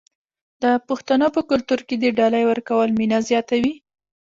د پښتنو په کلتور کې د ډالۍ ورکول مینه زیاتوي.